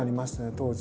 当時。